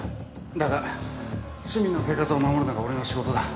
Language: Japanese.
だが市民の生活を守るのが俺の仕事だ。